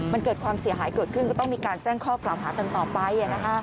มันเกิดความเสียหายเกิดขึ้นก็ต้องมีการแจ้งข้อกล่าวหากันต่อไป